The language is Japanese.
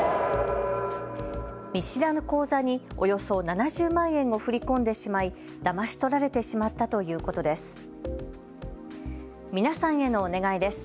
見知らぬ口座におよそ７０万円を振り込んでしまいだまし取られてしまったということです。